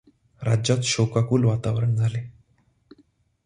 राज्यात शोकाकुल वातावरण झाले.